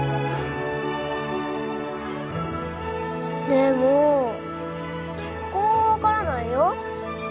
でも結婚は分からないよ